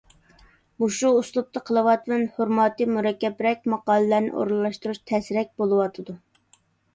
مۇشۇ ئۇسلۇبتا قىلىۋاتىمەن. فورماتى مۇرەككەپرەك ماقالىلەرنى ئورۇنلاشتۇرۇش تەسرەك بولۇۋاتىدۇ.